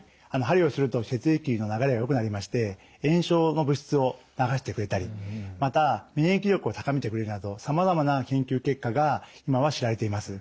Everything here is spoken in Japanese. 鍼をすると血液の流れがよくなりまして炎症の物質を流してくれたりまた免疫力を高めてくれるなどさまざまな研究結果が今は知られています。